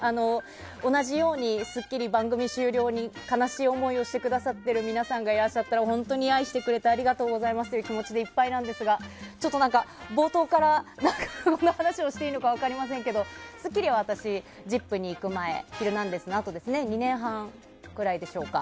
同じように「スッキリ」番組終了に悲しい思いをしてくださっている皆さんがいらっしゃったら本当に愛してくれてありがとうございますという気持ちでいっぱいなんですが冒頭からこんな話をしていいか分かりませんが「スッキリ」は「ＺＩＰ！」に行く前「ヒルナンデス！」のあと２年半くらいでしょうか。